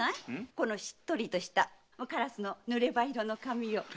このしっとりとしたカラスの濡れ羽色の髪を。